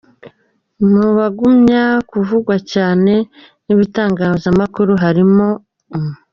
Mu bagumye kuvugwa cyane n’ibitangazamakuru harimo :